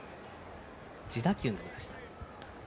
自打球になりました。